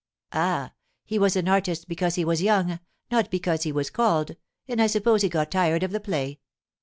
'Ah—he was an artist because he was young, not because he was called, and I suppose he got tired of the play.